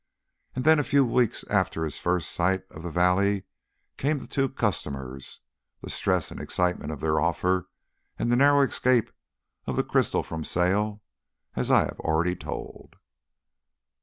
And then a few weeks after his first sight of the valley came the two customers, the stress and excitement of their offer, and the narrow escape of the crystal from sale, as I have already told.